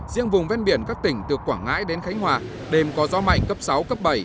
riêng vùng ven biển các tỉnh từ quảng ngãi đến khánh hòa đêm có gió mạnh cấp sáu cấp bảy